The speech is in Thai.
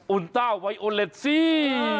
อุณต้าไวโอเลสซี่